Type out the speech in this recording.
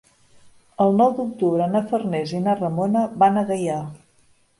El nou d'octubre na Farners i na Ramona van a Gaià.